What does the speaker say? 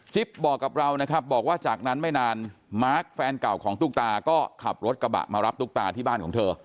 บอกกับเรานะครับบอกว่าจากนั้นไม่นานมาร์คแฟนเก่าของตุ๊กตาก็ขับรถกระบะมารับตุ๊กตาที่บ้านของเธอ